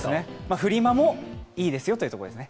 フリマもいいですよというところですね。